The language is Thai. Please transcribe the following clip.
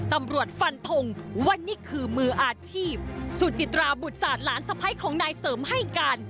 ฟันทงว่านี่คือมืออาชีพสุจิตราบุตรศาสตร์หลานสะพ้ายของนายเสริมให้การ